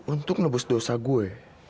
untuk nebus dosa gue